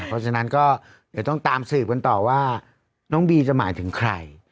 เพราะฉะนั้นก็เดี๋ยวต้องตามสืบกันต่อว่าน้องบีจะหมายถึงใคร